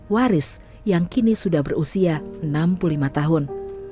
waris yang kini sudah berusia enam puluh lima tahun